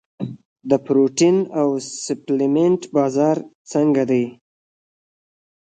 د پروټین او سپلیمنټ بازار څنګه دی؟